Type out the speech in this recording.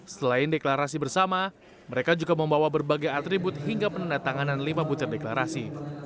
selain deklarasi bersama mereka juga membawa berbagai atribut hingga penandatanganan lima butir deklarasi